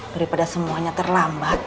daripada semuanya terlambat